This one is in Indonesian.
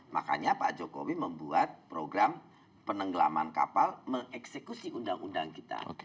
makanya pak jokowi membuat program penenggelaman kapal mengeksekusi undang undang kita